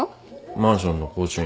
マンションの更新。